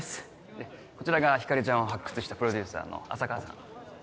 でこちらが光莉ちゃんを発掘したプロデューサーの浅川さん。